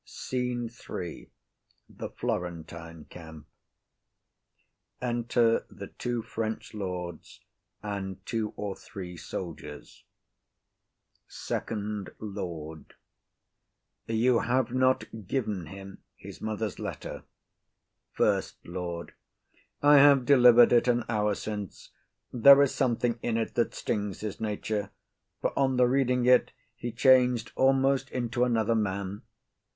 _] SCENE III. The Florentine camp. Enter the two French Lords and two or three Soldiers. FIRST LORD. You have not given him his mother's letter? SECOND LORD. I have deliv'red it an hour since; there is something in't that stings his nature; for on the reading it, he chang'd almost into another man.